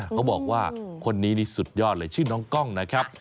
เขาบอกว่าคนนี้นี่สุดยอดเลยชื่อน้องกล้องนะครับ